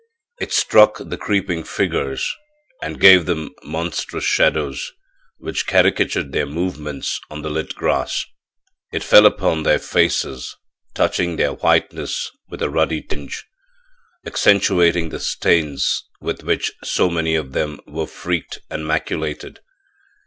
It struck the creeping figures and gave them monstrous shadows, which caricatured their movements on the lit grass. It fell upon their faces, touching their whiteness with a ruddy tinge, accentuating the stains with which so many of them were freaked and maculated.